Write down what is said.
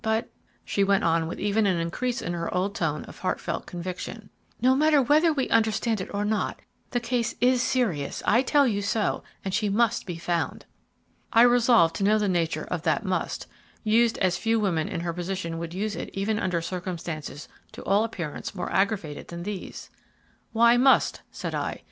But," she went on with even an increase in her old tone of heart felt conviction, "no matter whether we understand it or not, the case is serious; I tell you so, and she must be found." I resolved to know the nature of that must, used as few women in her position would use it even under circumstances to all appearance more aggravated than these. "Why, must?" said I.